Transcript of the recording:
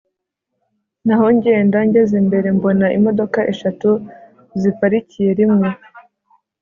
naho ngenda ngeze imbere mbona imodoka eshatu ziparikiye rimwe